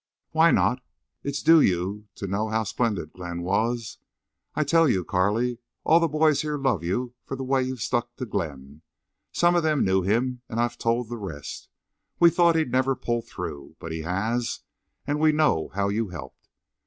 "Why not? It's due you to know how splendid Glenn was.... I tell you, Carley, all the boys here love you for the way you've stuck to Glenn. Some of them knew him, and I've told the rest. We thought he'd never pull through. But he has, and we know how you helped.